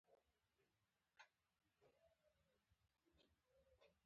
عامې سندرې